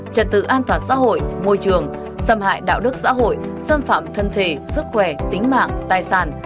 trật tự an toàn xã hội môi trường xâm hại đạo đức xã hội xâm phạm thân thể sức khỏe tính mạng tài sản